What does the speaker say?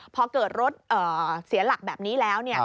พอเกิดรถเสียหลักแบบนี้แล้ว